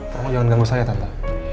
tante jangan ganggu saya tante